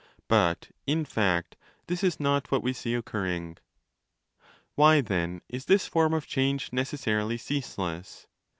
But in fact this is not what we see occurring. 25 Why, then, is this form of change necessarily ceaseless?